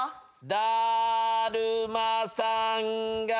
だるまさんが。